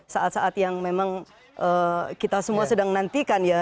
saat saat yang memang kita semua sedang nantikan ya